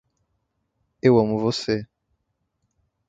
Eu amo você